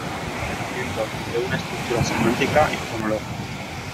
El símbolo es, entonces, el emparejamiento entre una estructura semántica y fonológica.